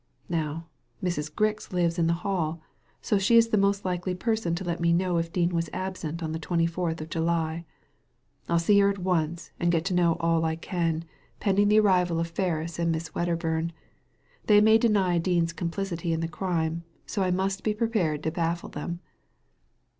Now, Mrs. Grix lives in the Hall, so she is the most likely person to let me know if Dean was absent on the twenty fourth of July. I'll see her at once and get to know all I can. Digitized by Google FOUND AT LAST 219 pending the arrival of Ferris and Miss Wedderbum. They may deny Dean's complicity in the crime, so I must be prepared to baffle them.'